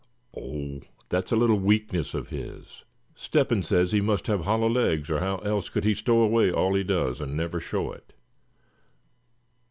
"Oh! that's a little weakness of his. Step hen says he must have hollow legs, or how else could he stow away all he does, and never show it.